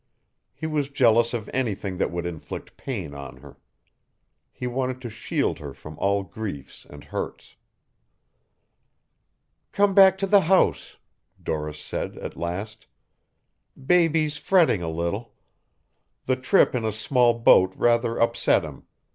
He was jealous of anything that would inflict pain on her. He wanted to shield her from all griefs and hurts. "Come back to the house," Doris said at last. "Baby's fretting a little. The trip in a small boat rather upset him.